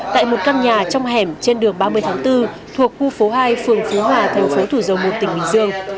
tại một căn nhà trong hẻm trên đường ba mươi tháng bốn thuộc khu phố hai phường phú hòa thành phố thủ dầu một tỉnh bình dương